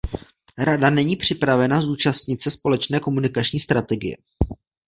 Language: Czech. Rada není připravena zúčastnit se společné komunikační strategie.